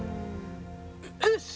よし！